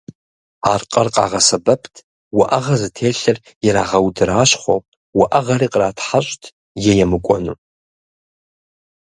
Аркъэр къагъэсэбэпт уӏэгъэ зытелъыр ирагъэудэращхъуэу, уӏэгъэри къратхьэщӏт е емыкӏуэну.